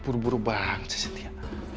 buru buru banget sih cynthia